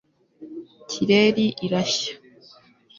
kireri irashya